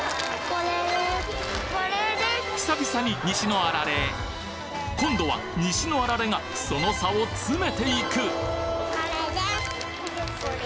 久々に西のあられ今度は西のあられがその差を詰めていくこれです。